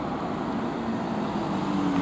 主教制。